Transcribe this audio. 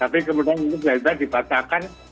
tapi kemudian itu tiba tiba dibatalkan